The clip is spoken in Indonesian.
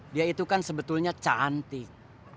dia itu kan sebetulnya cantik